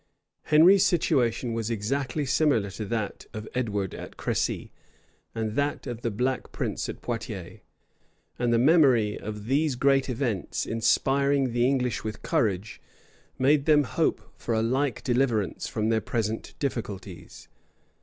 Henry's situation was exactly similar to that of Edward at Crecy, and that of the Black Prince at Poietiers; and the memory of these great events, inspiring the English with courage, made them hope for a like deliverance from their present difficulties.